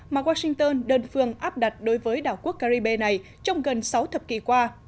mà washington đơn phương áp đặt đối với đảo quốc caribe này trong gần sáu thập kỷ qua